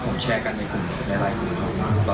ใช่ใช่ครับเป็นคนผู้โดยแพทย์หรือเปล่า